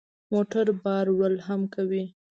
موټر بار وړل هم کوي.